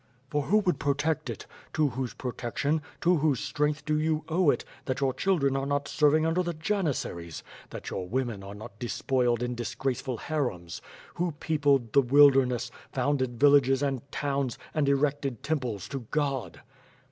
For who would protect it? To whose protection, to whose strength do you owe it, that your children are not serving under the janissaries? That your women are not despoiled in disgrace ful harems? Who peopled the wilderness, founded villages and towns, and ereotcd temples to God?"